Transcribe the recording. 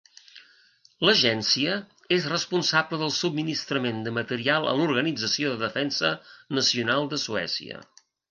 L'agència és responsable del subministrament de material a l'organització de defensa nacional de Suècia.